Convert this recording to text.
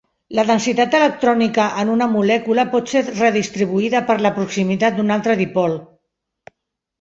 La densitat electrònica en una molècula pot ser redistribuïda per la proximitat d'un altre dipol.